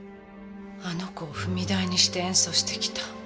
あの子を踏み台にして演奏してきた。